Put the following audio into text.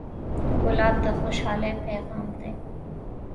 ګلاب د خوشحالۍ پیغام دی.